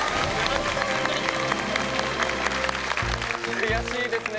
悔しいですね。